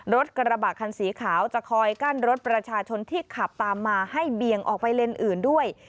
รถกระบะคันสีขาวจะคอยกั้นรถประชาชนที่ขับตามมาให้เบี่ยงออกไปเลนส์อื่นด้วย